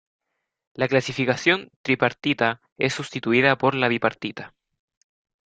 La clasificación tripartita es sustituida por la bipartita.